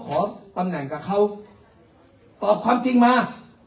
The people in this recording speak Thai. ขอตำแหน่งกับเขาตอบความจริงมา